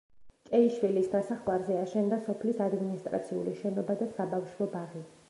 ჭეიშვილის ნასახლარზე აშენდა სოფლის ადმინისტრაციული შენობა და საბავშვო ბაღი.